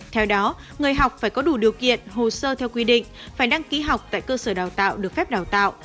theo đó người học phải có đủ điều kiện hồ sơ theo quy định phải đăng ký học tại cơ sở đào tạo được phép đào tạo